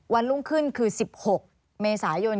วันรุ่งขึ้นคือ๑๖เมษายน